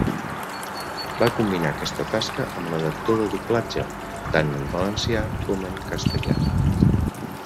Va combinar aquesta tasca amb la d'actor de doblatge, tant en valencià com en castellà.